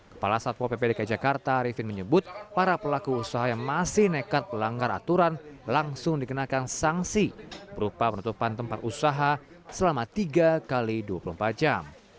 kepala satpo pp dki jakarta arifin menyebut para pelaku usaha yang masih nekat melanggar aturan langsung dikenakan sanksi berupa penutupan tempat usaha selama tiga x dua puluh empat jam